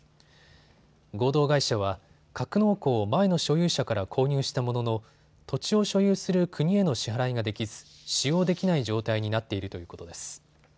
合同会社は格納庫を前の所有者から購入したものの土地を所有する国への支払いができず、使用できない状態になっているということです。